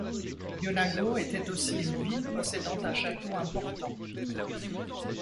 Yonago était aussi une ville possédant un château important.